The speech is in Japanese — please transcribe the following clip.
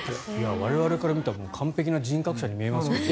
我々から見たら完璧な人格者に見えますけどね。